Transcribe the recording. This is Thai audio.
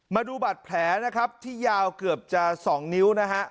มาดูบาดแผลนะครับที่ยาวเกือบจะ๒นิ้วนะฮะ